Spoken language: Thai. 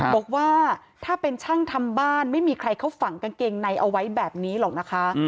บอกว่าถ้าเป็นช่างทำบ้านไม่มีใครเขาฝังกางเกงในเอาไว้แบบนี้หรอกนะคะ